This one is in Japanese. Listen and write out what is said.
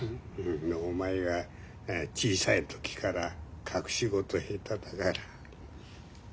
お前は小さい時から隠し事下手だから。